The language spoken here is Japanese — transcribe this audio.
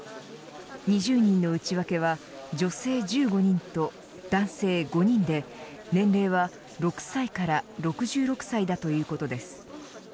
２０人の内訳は女性１５人と男性５人で年齢は６歳から６６歳だということです。